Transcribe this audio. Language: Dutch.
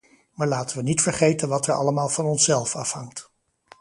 Maar laten we niet vergeten wat er allemaal van onszelf afhangt.